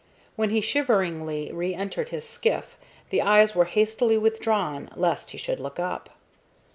When he shiveringly re entered his skiff the eyes were hastily withdrawn lest he should look up.